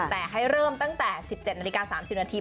แต่ให้เริ่มตั้งแต่๑๗นาฬิกา๓๐นาที